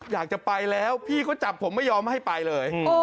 อยากจะไปแล้วพี่เขาจับผมไม่ยอมให้ไปเลย